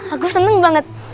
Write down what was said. aku seneng banget